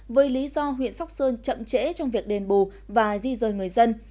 với lý do huyện sóc sơn chậm trễ trong việc đền bù và di rời người dân